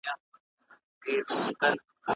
استاد وويل چي ډيموکراسي د ولس واکمني ده.